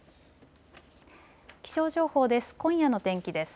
気象情報です。